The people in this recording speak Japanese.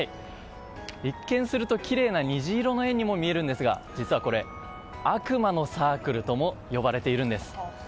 一見するときれいな虹色の円にも見えるんですが実はこれ、悪魔のサークルとも呼ばれているんです。